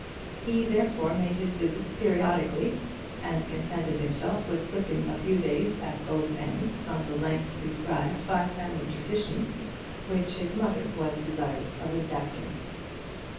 He therefore made his visits periodically, and contented himself with clipping a few days at both ends from the length prescribed by family tradition, which his mother was desirous of exacting.